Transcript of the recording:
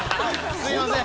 ◆すいません。